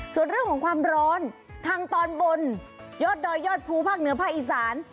ส่วนเรื่องของความร้อนทางตอนบนยอดดอยยอดภูภาคเหนือภาคอีสาน